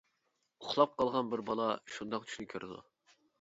ئۇخلاپ قالغان بىر بالا، شۇنداق چۈشنى كۆرىدۇ.